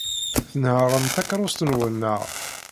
Tnehhṛem takeṛṛust-nwen, naɣ?